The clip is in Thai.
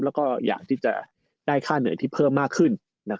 แล้วก็อยากที่จะได้ค่าเหนื่อยที่เพิ่มมากขึ้น